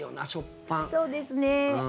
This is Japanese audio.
そうですね。